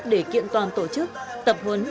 để kiện toàn tổ chức tập huấn